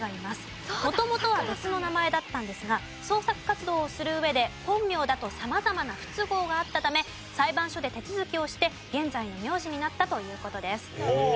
元々は別の名前だったんですが創作活動をする上で本名だと様々な不都合があったため裁判所で手続きをして現在の名字になったという事です。